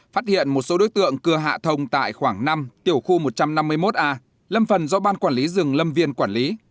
phát hiện một số đối tượng cưa hạ thông tại khoảng năm tiểu khu một trăm năm mươi một a lâm phần do ban quản lý rừng lâm viên quản lý